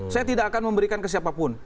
saya tidak akan memberikan ke siapapun